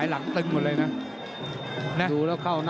โอ้โหแดงโชว์อีกเลยเดี๋ยวดูผู้ดอลก่อน